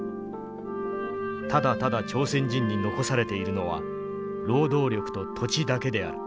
ただただ朝鮮人に残されているのは労働力と土地だけである。